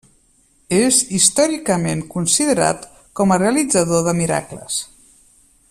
És històricament considerat com a realitzador de miracles.